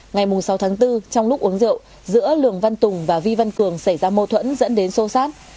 ngày sáu tháng bốn trong lúc uống rượu giữa lường văn tùng và vi văn cường xảy ra mâu thuẫn dẫn đến sô sát